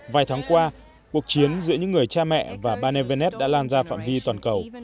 vài tháng qua cuộc chiến giữa những người cha mẹ và barnevenet đã lan ra phạm vi toàn cầu